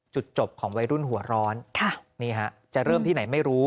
จุดจบของวัยรุ่นหัวร้อนนี่ฮะจะเริ่มที่ไหนไม่รู้